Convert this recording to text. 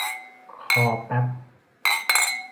คอแป๊บ